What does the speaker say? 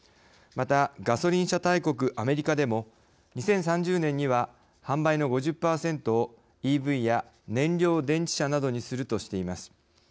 またガソリン車大国アメリカでも２０３０年には販売の５０％をＥＶや燃料電池車などにするとしています。